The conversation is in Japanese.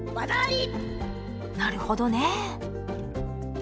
なるほどね。